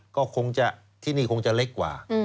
ก็คงจะที่นี่คงจะเล็กกว่า